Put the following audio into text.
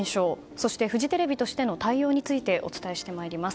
そして、フジテレビとしての対応についてお伝えしてまいります。